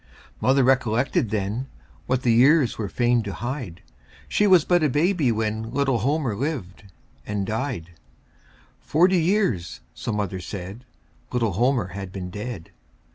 Mother recollected then What the years were fain to hide She was but a baby when Little Homer lived and died; Forty years, so mother said, Little Homer had been dead.